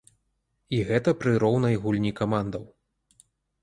І гэта пры роўнай гульні камандаў.